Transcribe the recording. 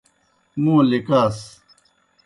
موں لِکاس۔